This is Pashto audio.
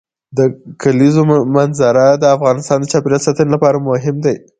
د کلیزو منظره د افغانستان د چاپیریال ساتنې لپاره مهم دي.